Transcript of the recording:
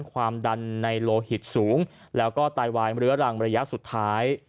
ความดันในโลหิตสูงแล้วก็ไตวายเรื้อรังระยะสุดท้าย